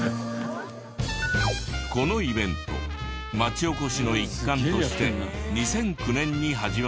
このイベント町おこしの一環として２００９年に始まったそうで。